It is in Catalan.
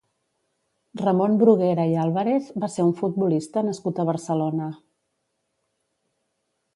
Ramon Bruguera i Álvarez va ser un futbolista nascut a Barcelona.